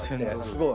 すごい。